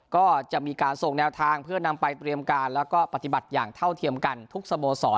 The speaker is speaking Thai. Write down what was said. ก็จะมีการส่งแนวทางเพื่อนำไปเตรียมการแล้วก็ปฏิบัติอย่างเท่าเทียมกันทุกสโมสร